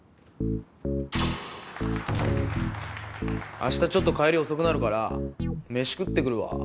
あしたちょっと帰り遅くなるから飯食ってくるわ。